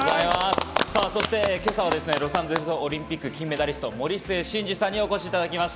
さぁ、そして今朝はロサンゼルスオリンピック金メダリスト・森末慎二さんにお越しいただきました。